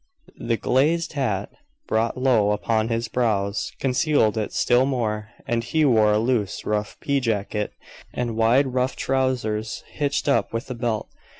The glazed hat, brought low upon his brows, concealed it still more; and he wore a loose, rough pea jacket and wide rough trousers hitched up with a belt.